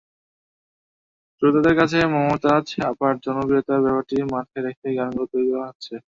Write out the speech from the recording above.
শ্রোতাদের কাছে মমতাজ আপার জনপ্রিয়তার ব্যাপারটি মাথায় রেখেই গানগুলো তৈরি করা হচ্ছে।